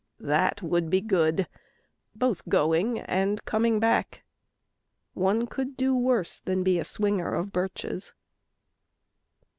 That would be good both going and coming back. One could do worse than be a swinger of birches.